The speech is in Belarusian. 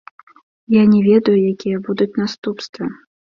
Я не ведаю, якія будуць наступствы.